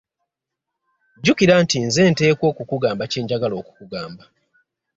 Jjukira nti nze nteekwa okukugamba kye njagala okukugamba.